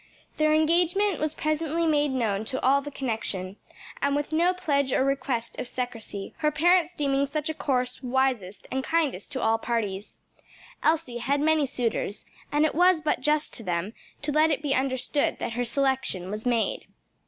Their engagement was presently made known to all the connection, and with no pledge or request of secrecy, her parents deeming such a course wisest and kindest to all parties. Elsie had many suitors, and it was but just to them to let it be understood that her selection was made.